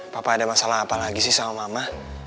papa ada masalah apa lagi sih sama mama